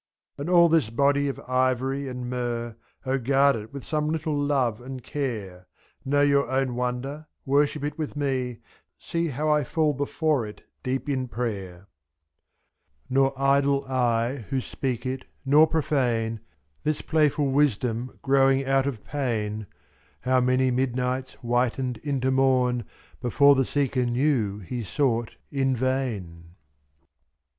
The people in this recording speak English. And all this body of ivory and myrrh, O guard it with some little love and care ; 7o,Know your own wonder, worship it with me. See how I fall before it deep in prayer. 42 Nor idle I who speak it, nor profane, This playful wisdom growing out of pain; Ji' How many midnights whitened into morn Before the seeker knew he sought in vain.